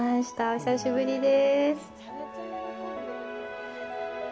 お久しぶりです。